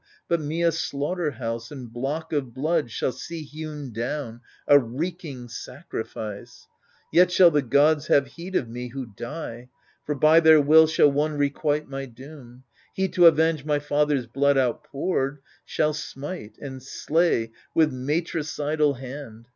But me a slaughter house and block of blood Shall see hewn down, a reeking sacrifice. Yet shall the gods have heed of me who die, For by their will shall one requite my doom. He, to avenge his father's blood outpoured, Shall smite and slay with matricidal hand.